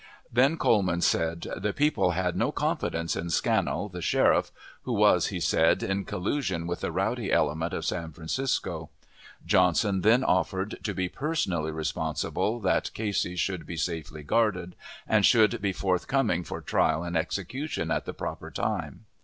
Then Coleman said "the people had no confidence in Scannell, the sheriff," who was, he said, in collusion with the rowdy element of San Francisco. Johnson then offered to be personally responsible that Casey should be safely guarded, and should be forthcoming for trial and execution at the proper time.